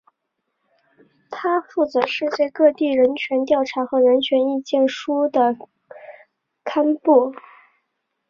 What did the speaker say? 它负责世界各地人权调查和人权意见书的刊布。